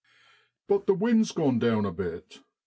' But the wind's gone down a bit.